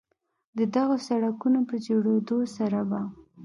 د دغو سړکونو په جوړېدو سره به